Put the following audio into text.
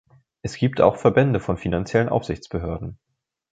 Es gibt auch Verbände von finanziellen Aufsichtsbehörden.